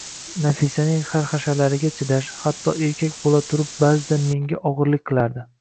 Nafisaning harhashalariga chidash, hatto, erkak bo`la turib ba`zida menga og`irlik qilardi